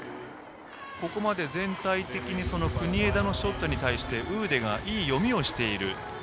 ここまで全体的に国枝のショットに対してウーデがいい読みをしている。